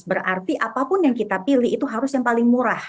berarti apapun yang kita pilih itu harus yang paling murah